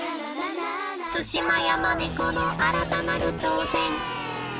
ツシマヤマネコの新たなる挑戦！